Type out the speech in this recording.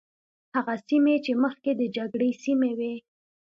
هغه سیمې چې مخکې د جګړې سیمې وي.